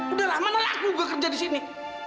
udah lah mana lagi gue kerja di sini